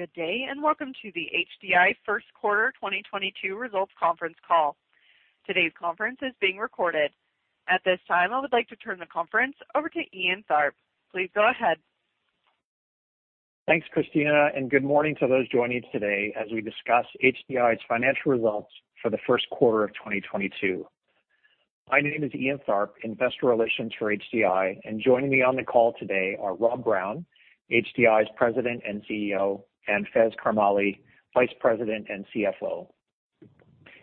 Good day, and welcome to the HDI first quarter 2022 results conference call. Today's conference is being recorded. At this time, I would like to turn the conference over to Ian Tharp. Please go ahead. Thanks, Christina, and good morning to those joining us today as we discuss HDI's financial results for the first quarter of 2022. My name is Ian Tharp, Investor Relations for HDI, and joining me on the call today are Rob Brown, HDI's President and CEO, and Faiz Karmally, Vice President and CFO.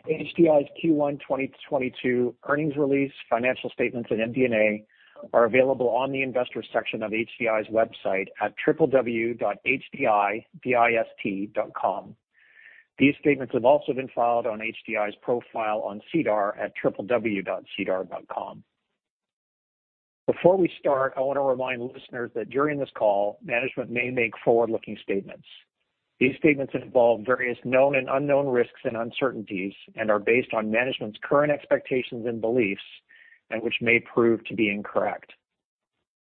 HDI's Q1 2022 earnings release, financial statements and MD&A are available on the investors section of HDI's website at www.hdidist.com. These statements have also been filed on HDI's profile on SEDAR at www.sedar.com. Before we start, I wanna remind listeners that during this call, management may make forward-looking statements. These statements involve various known and unknown risks and uncertainties and are based on management's current expectations and beliefs and which may prove to be incorrect.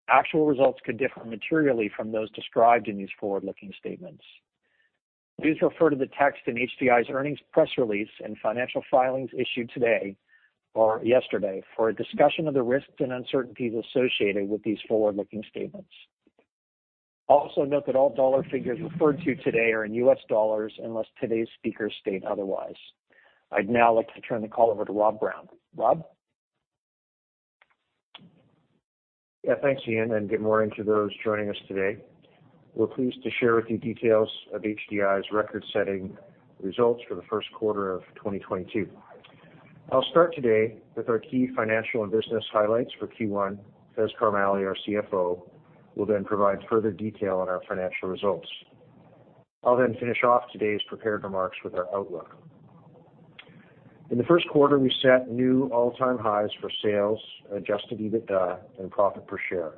Actual results could differ materially from those described in these forward-looking statements. Please refer to the text in HDI's earnings press release and financial filings issued today or yesterday for a discussion of the risks and uncertainties associated with these forward-looking statements. Also note that all dollar figures referred to today are in US dollars, unless today's speakers state otherwise. I'd now like to turn the call over to Rob Brown. Rob? Yeah. Thanks, Ian, and good morning to those joining us today. We're pleased to share with you details of HDI's record-setting results for the first quarter of 2022. I'll start today with our key financial and business highlights for Q1. Faiz Karmally, our CFO, will then provide further detail on our financial results. I'll then finish off today's prepared remarks with our outlook. In the first quarter, we set new all-time highs for sales, adjusted EBITDA, and profit per share.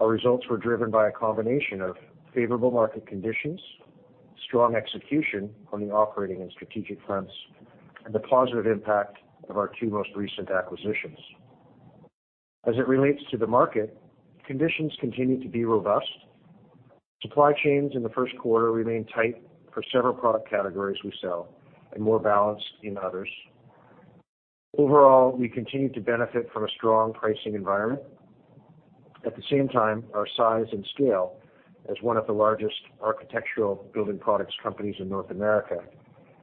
Our results were driven by a combination of favorable market conditions, strong execution on the operating and strategic fronts, and the positive impact of our two most recent acquisitions. As it relates to the market, conditions continue to be robust. Supply chains in the first quarter remained tight for several product categories we sell and more balanced in others. Overall, we continue to benefit from a strong pricing environment. At the same time, our size and scale as one of the largest architectural building products companies in North America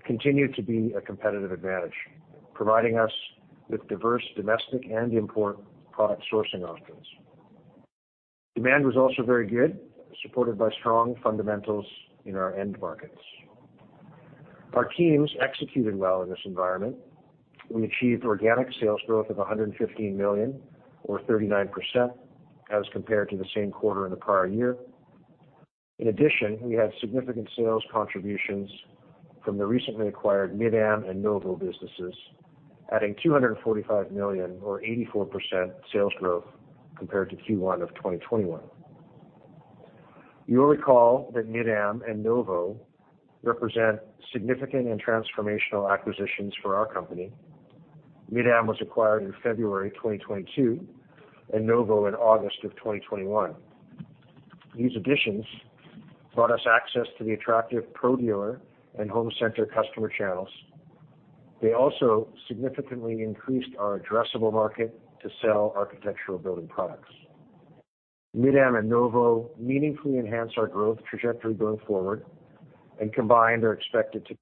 continued to be a competitive advantage, providing us with diverse domestic and import product sourcing options. Demand was also very good, supported by strong fundamentals in our end markets. Our teams executed well in this environment. We achieved organic sales growth of $115 million or 39% as compared to the same quarter in the prior year. In addition, we had significant sales contributions from the recently acquired Mid-Am and Novo businesses, adding $245 million or 84% sales growth compared to Q1 of 2021. You will recall that Mid-Am and Novo represent significant and transformational acquisitions for our company. Mid-Am was acquired in February 2022, and Novo in August of 2021. These additions brought us access to the attractive ProDealer and Home Centers customer channels. They also significantly increased our addressable market to sell architectural building products. Mid-Am and Novo meaningfully enhance our growth trajectory going forward, and combined are expected to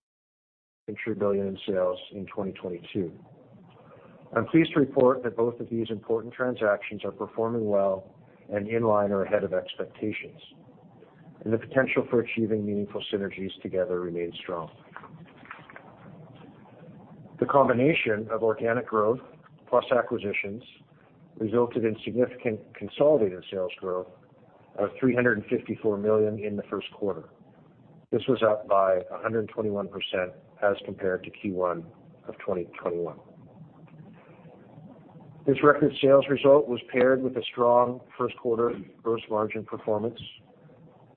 contribute $1 billion in sales in 2022. I'm pleased to report that both of these important transactions are performing well and in line or ahead of expectations, and the potential for achieving meaningful synergies together remains strong. The combination of organic growth plus acquisitions resulted in significant consolidated sales growth of $354 million in the first quarter. This was up by 121% as compared to Q1 of 2021. This record sales result was paired with a strong first quarter gross margin performance.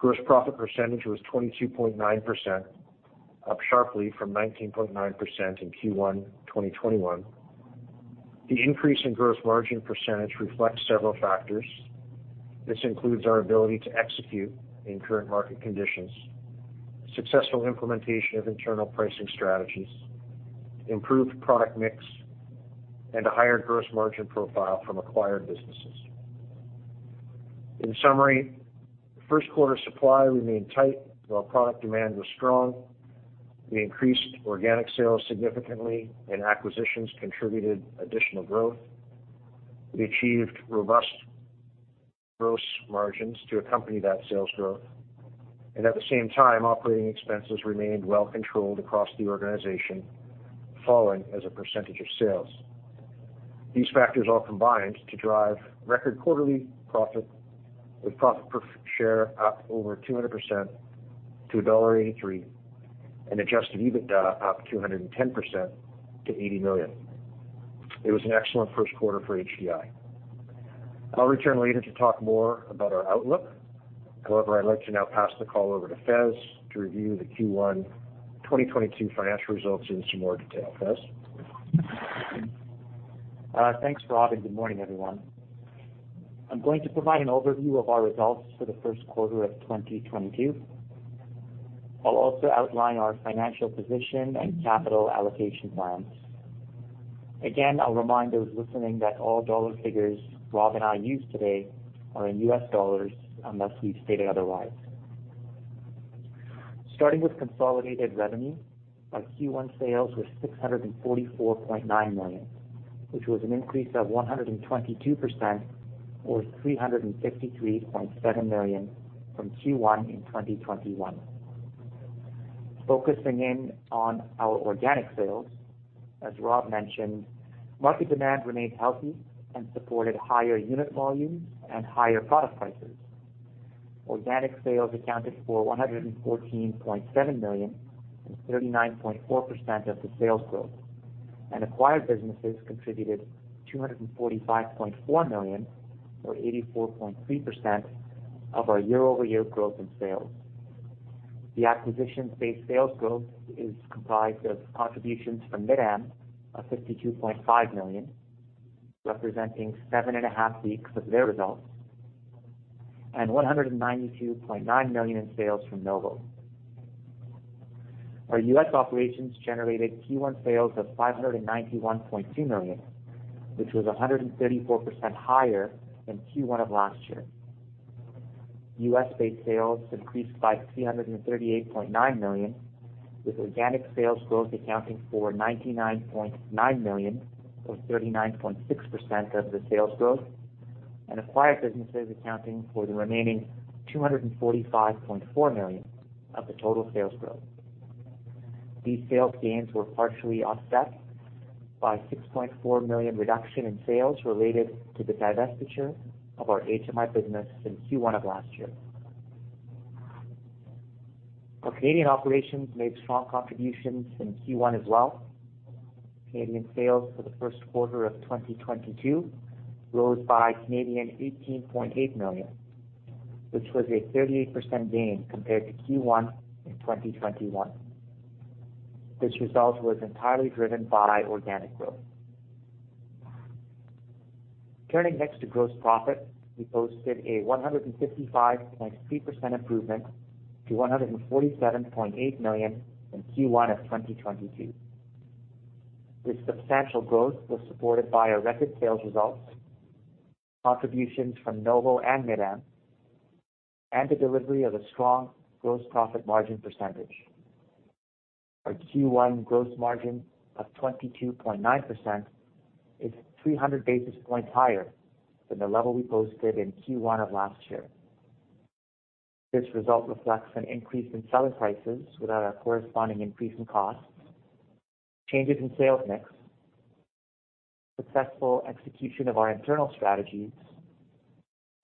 Gross profit 22.9%, up sharply from 19.9% in Q1 2021. The increase in gross margin percentage reflects several factors. This includes our ability to execute in current market conditions, successful implementation of internal pricing strategies, improved product mix, and a higher gross margin profile from acquired businesses. In summary, first quarter supply remained tight while product demand was strong. We increased organic sales significantly, and acquisitions contributed additional growth. We achieved robust gross margins to accompany that sales growth. At the same time, operating expenses remained well controlled across the organization, falling as a percentage of sales. These factors all combined to drive record quarterly profit, with profit per share up over 200% to $0.83, and adjusted EBITDA up 210% to $80 million. It was an excellent first quarter for HDI. I'll return later to talk more about our outlook. However, I'd like to now pass the call over to Faiz to review the Q1 2022 financial results in some more detail. Faiz? Thanks, Rob, and good morning, everyone. I'm going to provide an overview of our results for the first quarter of 2022. I'll also outline our financial position and capital allocation plans. Again, I'll remind those listening that all dollar figures Rob and I use today are in US dollars unless we've stated otherwise. Starting with consolidated revenue, our Q1 sales were $644.9 million, which was an increase of 122% or $363.7 million from Q1 in 2021. Focusing in on our organic sales, as Rob mentioned, market demand remained healthy and supported higher unit volumes and higher product prices. Organic sales accounted for $114.7 million and 39.4% of the sales growth, and acquired businesses contributed $245.4 million or 84.3% of our year-over-year growth in sales. The acquisitions-based sales growth is comprised of contributions from Mid-Am of $52.5 million, representing seven and a half weeks of their results, and $192.9 million in sales from Novo. Our U.S. operations generated Q1 sales of $591.2 million, which was 134% higher than Q1 of last year. US-based sales increased by $338.9 million, with organic sales growth accounting for $99.9 million or 39.6% of the sales growth and acquired businesses accounting for the remaining $245.4 million of the total sales growth. These sales gains were partially offset by $6.4 million reduction in sales related to the divestiture of our HMI business in Q1 of last year. Our Canadian operations made strong contributions in Q1 as well. Canadian sales for the first quarter of 2022 rose by 18.8 million, which was a 38% gain compared to Q1 in 2021. This result was entirely driven by organic growth. Turning next to gross profit, we posted a 155.3% improvement to $147.8 million in Q1 of 2022. This substantial growth was supported by our record sales results, contributions from Novo and Mid-Am, and the delivery of a strong gross profit margin percentage. Our Q1 gross margin of 22.9% is 300 basis points higher than the level we posted in Q1 of last year. This result reflects an increase in selling prices without a corresponding increase in costs, changes in sales mix, successful execution of our internal strategies,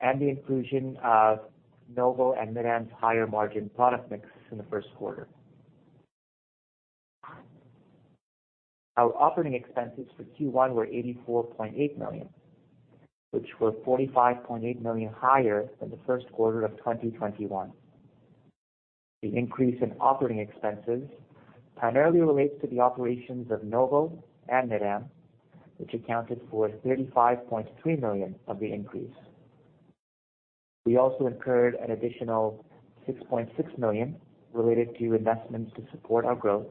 and the inclusion of Novo and Mid-Am's higher margin product mix in the first quarter. Our operating expenses for Q1 were $84.8 million, which were $45.8 million higher than the first quarter of 2021. The increase in operating expenses primarily relates to the operations of Novo and Mid-Am, which accounted for $35.3 million of the increase. We also incurred an additional $6.6 million related to investments to support our growth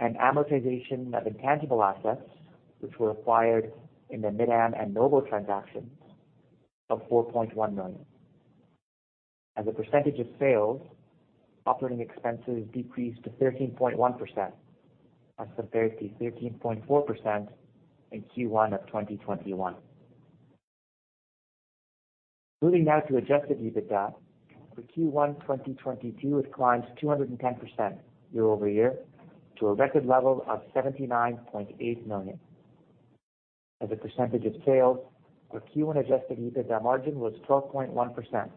and amortization of intangible assets which were acquired in the Mid-Am and Novo transactions of $4.1 million. As a percentage of sales, operating expenses decreased to 13.1% as compared to 13.4% in Q1 of 2021. Moving now to adjusted EBITDA, for Q1 2022, it climbed 210% year-over-year to a record level of $79.8 million. As a percentage of sales, our Q1 adjusted EBITDA margin was 12.1%,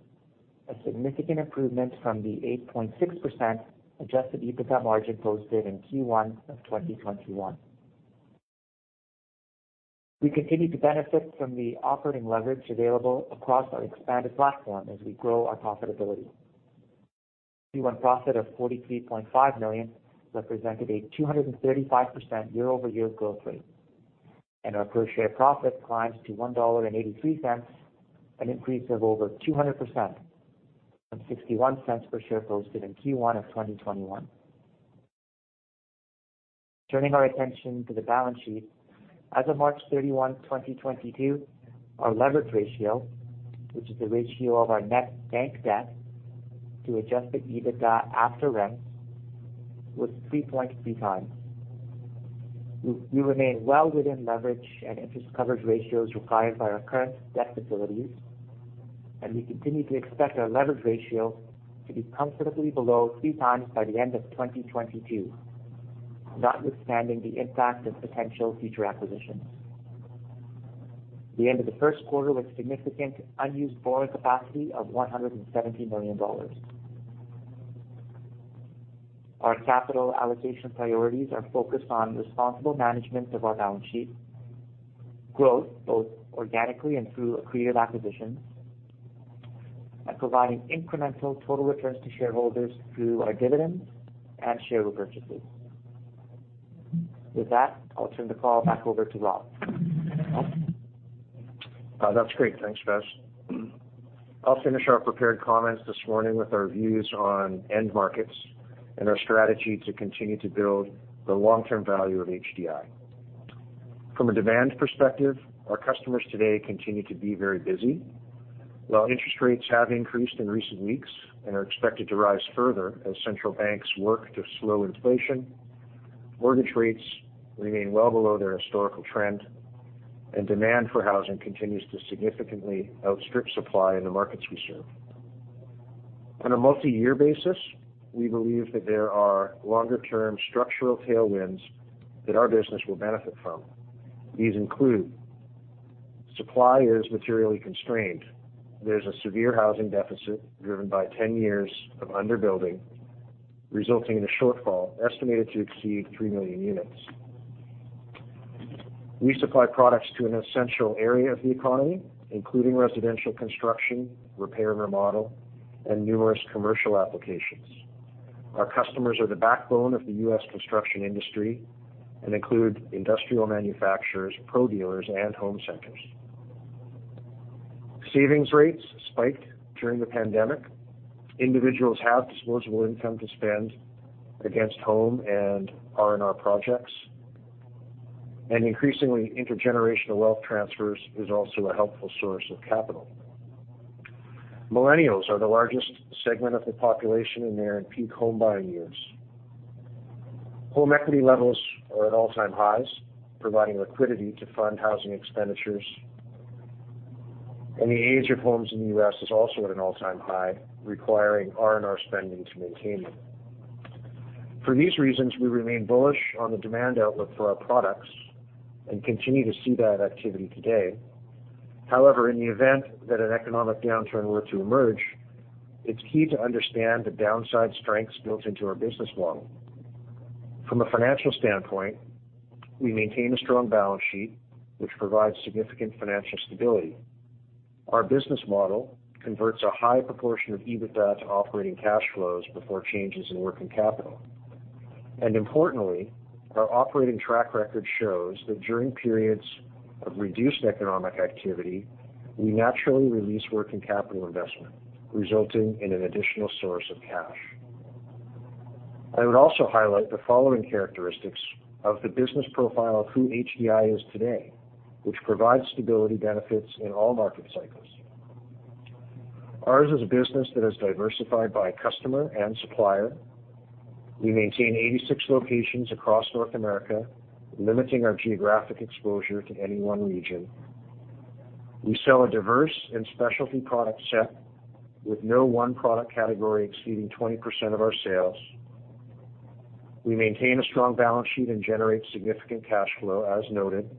a significant improvement from the 8.6% adjusted EBITDA margin posted in Q1 of 2021. We continue to benefit from the operating leverage available across our expanded platform as we grow our profitability. Q1 profit of $43.5 million represented a 235% year-over-year growth rate, and our per share profit climbed to $1.83, an increase of over 200% from $0.61 per share posted in Q1 of 2021. Turning our attention to the balance sheet. As of March 31, 2022, our leverage ratio, which is the ratio of our net bank debt to adjusted EBITDA after rents, was 3.3x. We remain well within leverage and interest coverage ratios required by our current debt facilities, and we continue to expect our leverage ratio to be comfortably below 3x by the end of 2022, notwithstanding the impact of potential future acquisitions. The end of the first quarter was significant, unused borrowing capacity of $170 million. Our capital allocation priorities are focused on responsible management of our balance sheet, growth, both organically and through accretive acquisitions and providing incremental total returns to shareholders through our dividends and share repurchases. With that, I'll turn the call back over to Rob. Rob? That's great. Thanks, Faiz. I'll finish our prepared comments this morning with our views on end markets and our strategy to continue to build the long-term value of HDI. From a demand perspective, our customers today continue to be very busy. While interest rates have increased in recent weeks and are expected to rise further as central banks work to slow inflation, mortgage rates remain well below their historical trend, and demand for housing continues to significantly outstrip supply in the markets we serve. On a multiyear basis, we believe that there are longer-term structural tailwinds that our business will benefit from. These include. Supply is materially constrained. There's a severe housing deficit driven by 10 years of under-building, resulting in a shortfall estimated to exceed 3 million units. We supply products to an essential area of the economy, including residential construction, repair and remodel, and numerous commercial applications. Our customers are the backbone of the U.S. construction industry and include industrial manufacturers, pro dealers, and home centers. Savings rates spiked during the pandemic. Individuals have disposable income to spend against home and R&R projects. Increasingly, intergenerational wealth transfers is also a helpful source of capital. Millennials are the largest segment of the population, and they're in peak home buying years. Home equity levels are at all-time highs, providing liquidity to fund housing expenditures. The age of homes in the U.S. is also at an all-time high, requiring R&R spending to maintain them. For these reasons, we remain bullish on the demand outlook for our products and continue to see that activity today. However, in the event that an economic downturn were to emerge, it's key to understand the downside strengths built into our business model. From a financial standpoint, we maintain a strong balance sheet, which provides significant financial stability. Our business model converts a high proportion of EBITDA to operating cash flows before changes in working capital. Importantly, our operating track record shows that during periods of reduced economic activity, we naturally release working capital investment, resulting in an additional source of cash. I would also highlight the following characteristics of the business profile of who HDI is today, which provides stability benefits in all market cycles. Ours is a business that is diversified by customer and supplier. We maintain 86 locations across North America, limiting our geographic exposure to any one region. We sell a diverse and specialty product set with no one product category exceeding 20% of our sales. We maintain a strong balance sheet and generate significant cash flow as noted.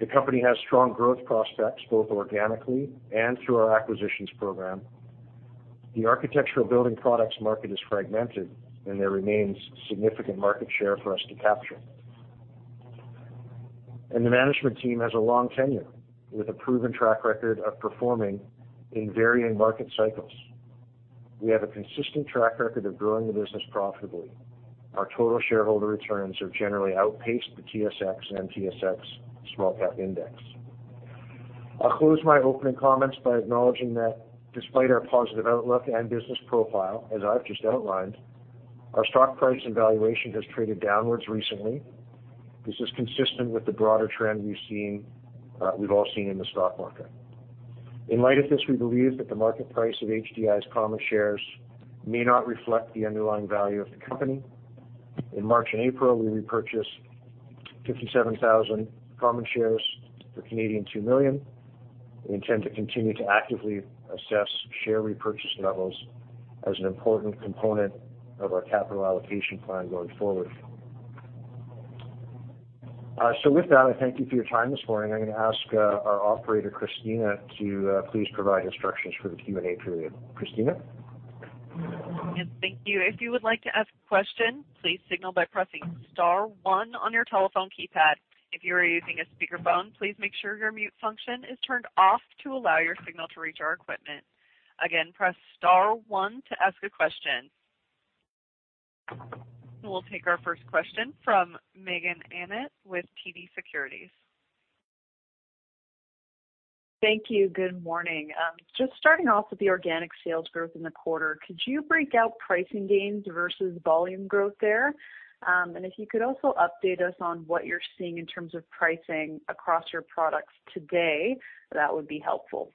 The company has strong growth prospects, both organically and through our acquisitions program. The architectural building products market is fragmented, and there remains significant market share for us to capture. The management team has a long tenure with a proven track record of performing in varying market cycles. We have a consistent track record of growing the business profitably. Our total shareholder returns have generally outpaced the TSX and S&P/TSX SmallCap Index. I'll close my opening comments by acknowledging that despite our positive outlook and business profile, as I've just outlined, our stock price and valuation has traded downwards recently. This is consistent with the broader trend we've all seen in the stock market. In light of this, we believe that the market price of HDI's common shares may not reflect the underlying value of the company. In March and April, we repurchased 57,000 common shares for 2 million. We intend to continue to actively assess share repurchase levels as an important component of our capital allocation plan going forward. With that, I thank you for your time this morning. I'm gonna ask our operator, Christina, to please provide instructions for the Q&A period. Christina? Thank you. If you would like to ask a question, please signal by pressing star one on your telephone keypad. If you are using a speakerphone, please make sure your mute function is turned off to allow your signal to reach our equipment. Again, press star one to ask a question. We'll take our first question from Meaghen Annett with TD Securities. Thank you. Good morning. Just starting off with the organic sales growth in the quarter, could you break out pricing gains versus volume growth there? If you could also update us on what you're seeing in terms of pricing across your products today, that would be helpful.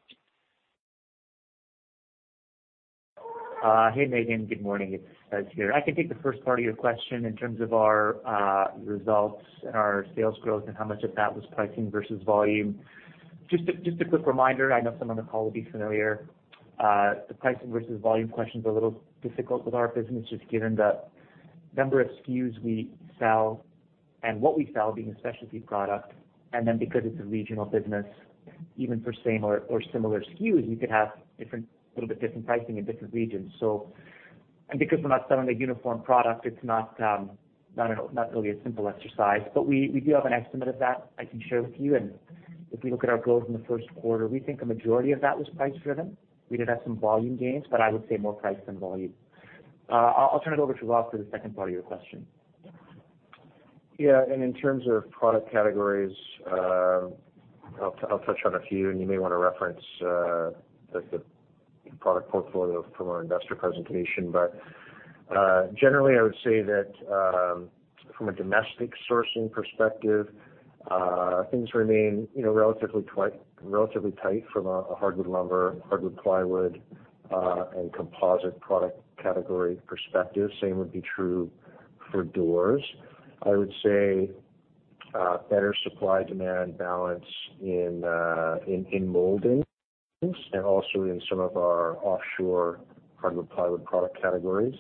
Hey, Hamir. Good morning. It's Faiz here. I can take the first part of your question in terms of our results and our sales growth and how much of that was pricing versus volume. Just a quick reminder, I know some on the call will be familiar, the pricing versus volume question's a little difficult with our business just given the number of SKUs we sell and what we sell being a specialty product, and then because it's a regional business, even for same or similar SKUs, we could have different pricing in different regions. Because we're not selling a uniform product, it's not really a simple exercise, but we do have an estimate of that I can share with you. If we look at our growth in the first quarter, we think a majority of that was price-driven. We did have some volume gains, but I would say more price than volume. I'll turn it over to Rob for the second part of your question. In terms of product categories, I'll touch on a few, and you may wanna reference like the product portfolio from our investor presentation. Generally, I would say that from a domestic sourcing perspective, things remain, you know, relatively tight from a hardwood lumber, hardwood plywood, and composite product category perspective. Same would be true for doors. I would say better supply-demand balance in moldings and also in some of our offshore hardwood plywood product categories.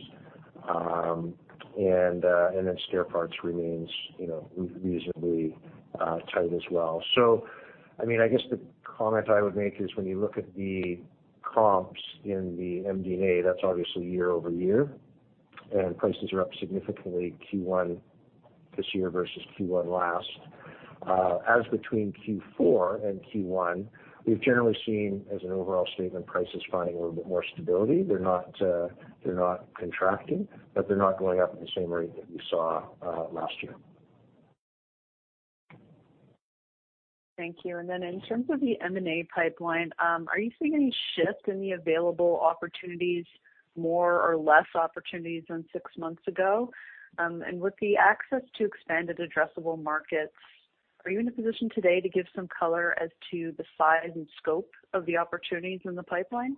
And then stair parts remains, you know, reasonably tight as well. I mean, I guess the comment I would make is when you look at the comps in the M&A, that's obviously year-over-year, and prices are up significantly Q1 this year versus Q1 last. As between Q4 and Q1, we've generally seen, as an overall statement, prices finding a little bit more stability. They're not contracting, but they're not going up at the same rate that we saw last year. Thank you. In terms of the M&A pipeline, are you seeing any shift in the available opportunities, more or less opportunities than six months ago? With the access to expanded addressable markets, are you in a position today to give some color as to the size and scope of the opportunities in the pipeline?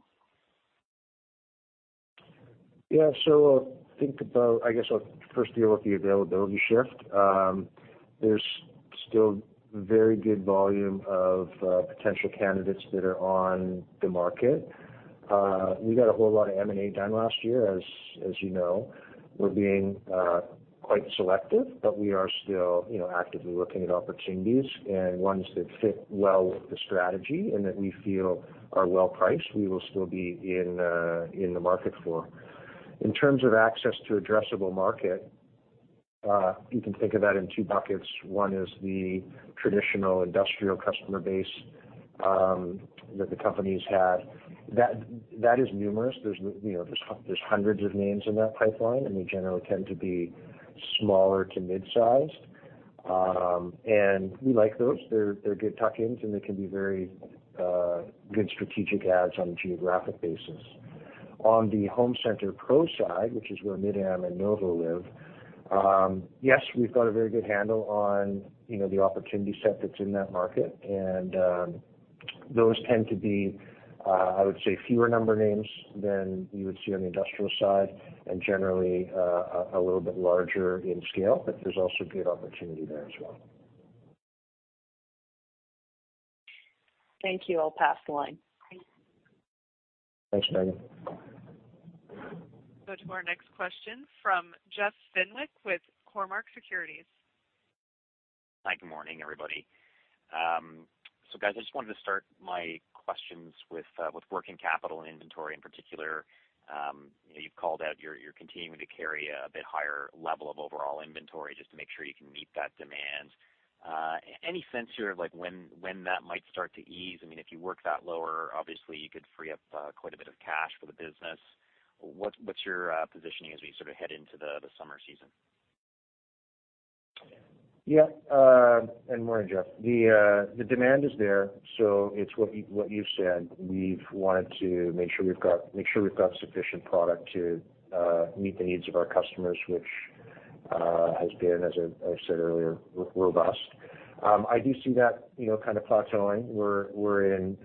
Think about. I guess I'll first deal with the availability shift. There's still very good volume of potential candidates that are on the market. We got a whole lot of M&A done last year, as you know. We're being quite selective, but we are still, you know, actively looking at opportunities and ones that fit well with the strategy and that we feel are well priced, we will still be in the market for. In terms of access to addressable market, you can think of that in two buckets. One is the traditional industrial customer base that the companies had. That is numerous. There's, you know, hundreds of names in that pipeline, and they generally tend to be smaller to mid-sized. We like those. They're good tuck-ins, and they can be very good strategic adds on a geographic basis. On the home center pro side, which is where Mid-Am and Novo live, yes, we've got a very good handle on, you know, the opportunity set that's in that market. Those tend to be, I would say, fewer number names than you would see on the industrial side and generally a little bit larger in scale, but there's also good opportunity there as well. Thank you. I'll pass the line. Thanks, Hamir Patel. Go to our next question from Jeff Fenwick with Cormark Securities. Hi, good morning, everybody. Guys, I just wanted to start my questions with working capital and inventory in particular. You know, you've called out you're continuing to carry a bit higher level of overall inventory just to make sure you can meet that demand. Any sense here of like when that might start to ease? I mean, if you work that lower, obviously you could free up quite a bit of cash for the business. What's your positioning as we sort of head into the summer season? Yeah. Good morning, Jeff. The demand is there, so it's what you've said. We've wanted to make sure we've got sufficient product to meet the needs of our customers, which has been, as I said earlier, robust. I do see that, you know, kind of plateauing. We're in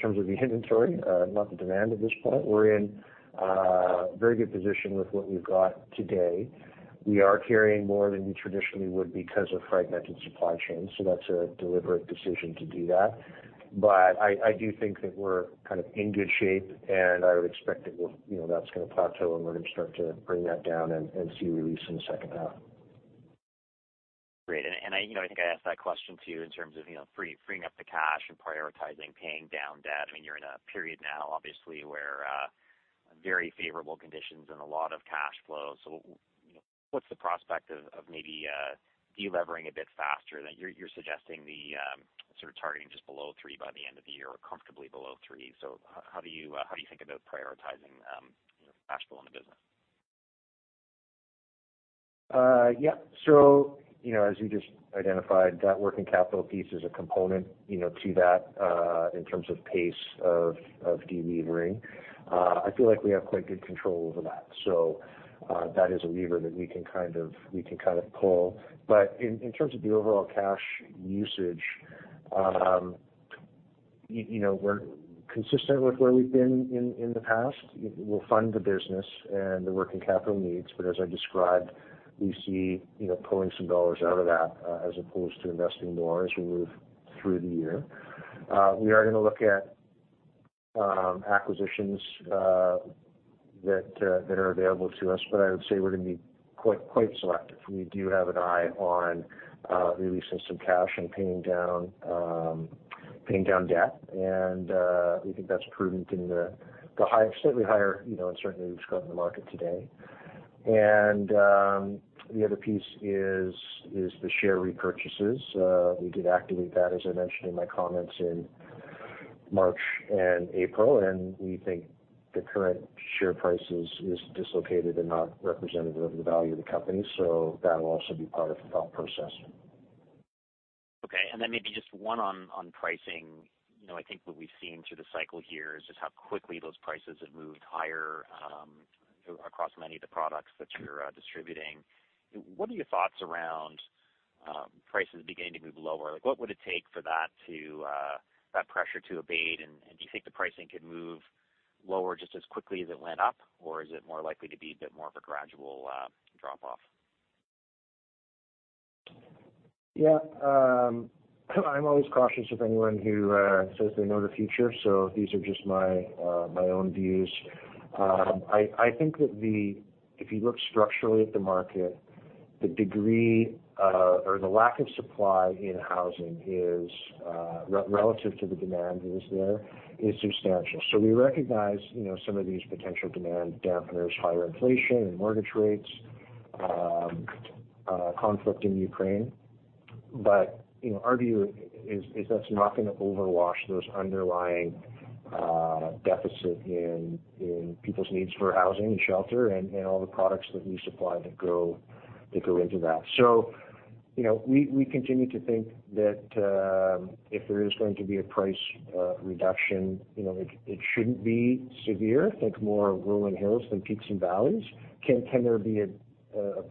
terms of the inventory, not the demand at this point, we're in a very good position with what we've got today. We are carrying more than we traditionally would because of fragmented supply chains, so that's a deliberate decision to do that. But I do think that we're kind of in good shape, and I would expect that we'll, you know, that's gonna plateau and we're gonna start to bring that down and see release in the second half. Great. I, you know, I think I asked that question to you in terms of, you know, freeing up the cash and prioritizing paying down debt. I mean, you're in a period now, obviously, where very favorable conditions and a lot of cash flow. You know, what's the prospect of maybe delevering a bit faster? You're suggesting the sort of targeting just below three by the end of the year or comfortably below three. How do you think about prioritizing, you know, cash flow in the business? Yeah. You know, as you just identified, that working capital piece is a component, you know, to that, in terms of pace of delevering. I feel like we have quite good control over that. That is a lever that we can kind of pull. But in terms of the overall cash usage, you know, we're consistent with where we've been in the past. We'll fund the business and the working capital needs, but as I described, we see, you know, pulling some dollars out of that, as opposed to investing more as we move through the year. We are gonna look at acquisitions that are available to us, but I would say we're gonna be quite selective. We do have an eye on releasing some cash and paying down debt, and we think that's prudent in the certainly higher, you know, uncertainty we've just got in the market today. The other piece is the share repurchases. We did activate that, as I mentioned in my comments in March and April, and we think the current share price is dislocated and not representative of the value of the company. That'll also be part of the thought process. Okay. Maybe just one on pricing. You know, I think what we've seen through the cycle here is just how quickly those prices have moved higher across many of the products that you're distributing. What are your thoughts around prices beginning to move lower? Like, what would it take for that pressure to abate? And do you think the pricing could move lower just as quickly as it went up? Or is it more likely to be a bit more of a gradual drop off? Yeah. I'm always cautious of anyone who says they know the future, so these are just my own views. I think that if you look structurally at the market, the degree or the lack of supply in housing is relative to the demand that is there, is substantial. We recognize, you know, some of these potential demand dampeners, higher inflation and mortgage rates, conflict in Ukraine. You know, our view is that's not gonna wash over this underlying deficit in people's needs for housing and shelter and all the products that we supply that go into that. You know, we continue to think that if there is going to be a price reduction, you know, it shouldn't be severe. Think more rolling hills than peaks and valleys. Can there be a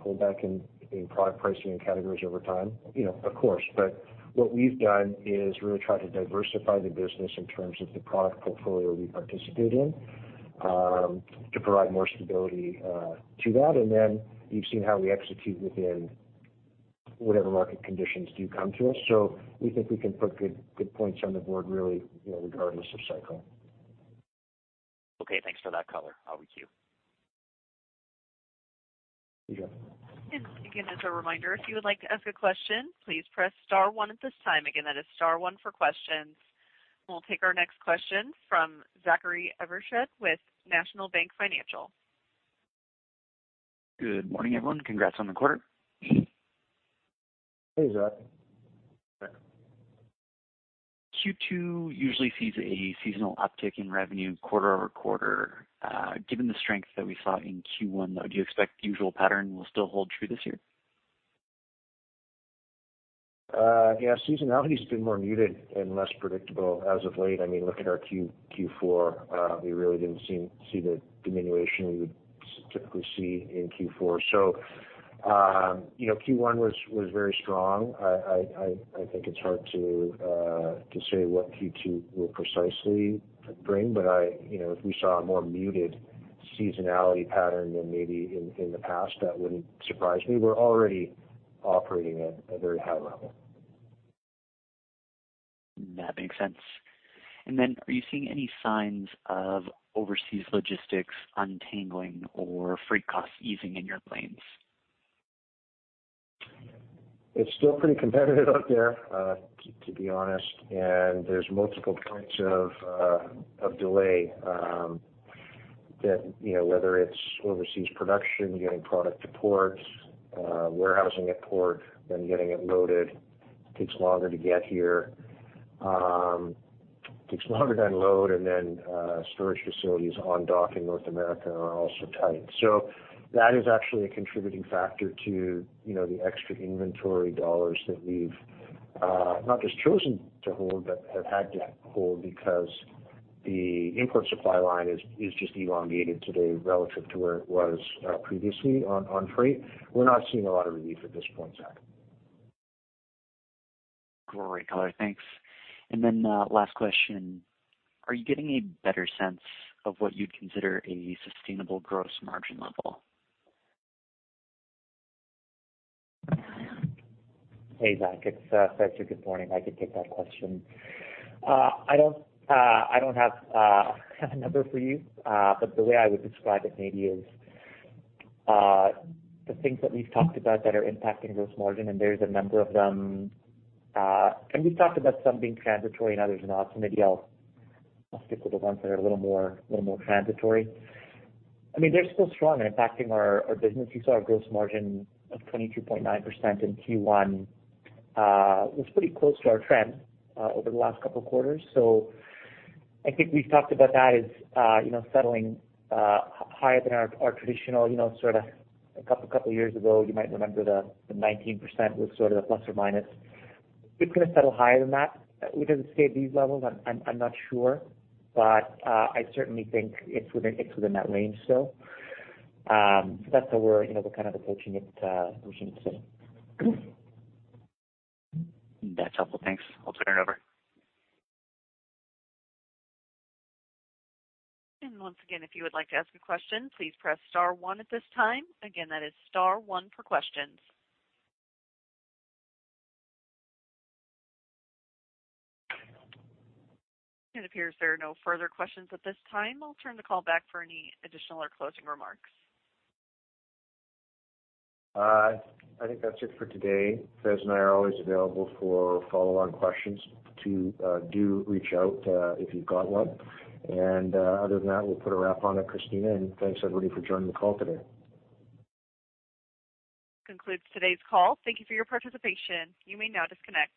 pullback in product pricing and categories over time? You know, of course. What we've done is really try to diversify the business in terms of the product portfolio we participate in, to provide more stability, to that. Then you've seen how we execute within whatever market conditions do come to us. We think we can put good points on the board really, you know, regardless of cycle. Okay, thanks for that color. I'll queue. You got it. Again, as a reminder, if you would like to ask a question, please press star one at this time. Again, that is star one for questions. We'll take our next question from Zachary Evershed with National Bank Financial. Good morning, everyone. Congrats on the quarter. Hey, Zach. Q2 usually sees a seasonal uptick in revenue quarter-over-quarter. Given the strength that we saw in Q1, though, do you expect the usual pattern will still hold true this year? Yeah, seasonality's been more muted and less predictable as of late. I mean, look at our Q4. We really didn't see the diminution we would typically see in Q4. You know, Q1 was very strong. I think it's hard to say what Q2 will precisely bring. You know, if we saw a more muted seasonality pattern than maybe in the past, that wouldn't surprise me. We're already operating at a very high level. That makes sense. Are you seeing any signs of overseas logistics untangling or freight costs easing in your plans? It's still pretty competitive out there, to be honest, and there's multiple points of delay, you know, whether it's overseas production, getting product to ports, warehousing at port, then getting it loaded, takes longer to get here. Takes longer to unload and then, storage facilities on dock in North America are also tight. That is actually a contributing factor to, you know, the extra inventory dollars that we've not just chosen to hold, but have had to hold because the import supply line is just elongated today relative to where it was, previously on freight. We're not seeing a lot of relief at this point, Zach. Great color. Thanks. Last question. Are you getting a better sense of what you'd consider a sustainable gross margin level? Hey, Zach, it's Faiz Karmally. Good morning. I can take that question. I don't have a number for you. But the way I would describe it maybe is the things that we've talked about that are impacting gross margin, and there's a number of them, and we've talked about some being transitory and others not. Maybe I'll stick with the ones that are a little more transitory. I mean, they're still strong and impacting our business. You saw our gross margin of 22.9% in Q1. It was pretty close to our trend over the last couple of quarters. I think we've talked about that as, you know, settling higher than our traditional, you know, sort of a couple years ago, you might remember the 19% was sort of the plus or minus. It's gonna settle higher than that. Would it stay at these levels? I'm not sure. I certainly think it's within that range still. That's how we're, you know, kind of approaching it today. That's helpful. Thanks. I'll turn it over. Once again, if you would like to ask a question, please press star one at this time. Again, that is star one for questions. It appears there are no further questions at this time. I'll turn the call back for any additional or closing remarks. I think that's it for today. Faiz and I are always available for follow-on questions to reach out if you've got one. Other than that, we'll put a wrap on it, Christina, and thanks everybody for joining the call today. Concludes today's call. Thank you for your participation. You may now disconnect.